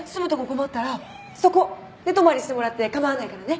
困ったらそこ寝泊まりしてもらって構わないからね。